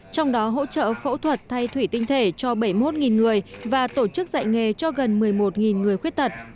trong đó hỗ trợ phẫu thuật thay thủy tinh thể cho bảy mươi một người và tổ chức dạy nghề cho gần một mươi một người khuyết tật